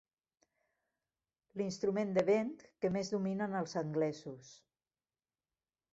L'instrument de vent que més dominen els anglesos.